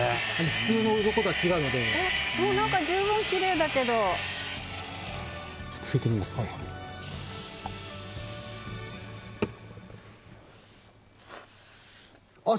普通のウロコとは違うのでもう何か十分キレイだけどちょっと拭いてみますねあっ